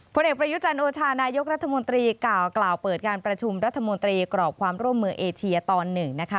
ผลเอกประยุจันโอชานายกรัฐมนตรีกล่าวเปิดการประชุมรัฐมนตรีกรอบความร่วมมือเอเชียตอนหนึ่งนะคะ